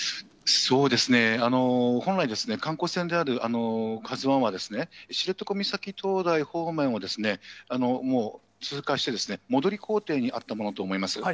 そうですね、本来ですね、観光船であるカズワンは、知床岬灯台方面をですね、通過して、戻り行程にあったものと思います。